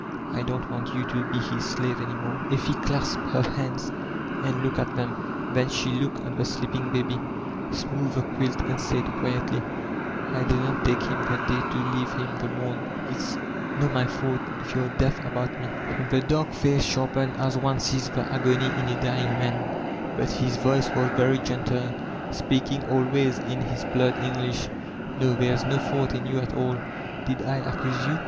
I don't want you to be his shive any more." Effie clasped her hands and fooked at them; then she hxdced at the sleeping baby, smoothed the quilt, and said quietly: "I didna take him the day to leave him the morra. It's no my fault if ye're daft aboot me." The dark face sharpened as one sees the agony in a dying man, but his voice was very gentle, speaking al wa]r8 in his blurred English : ''No, there is no fault in you at all Did I accuse you?"